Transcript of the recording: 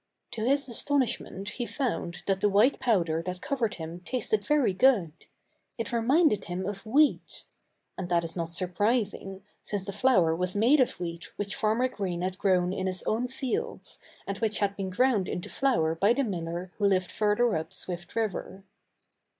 To his astonishment, he found that the white powder that covered him tasted very good. It reminded him of wheat. And that is not surprising, since the flour was made of wheat which Farmer Green had grown in his own fields, and which had been ground into flour by the miller who lived further up Swift River.